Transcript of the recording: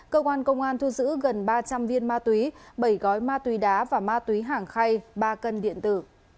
cơ quan công an thu giữ gần ba trăm linh viên ma túy bảy gói ma túy đá và ma túy hàng khay ba cân điện tử